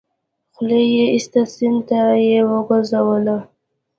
خولۍ يې ايسته سيند ته يې وگوزوله.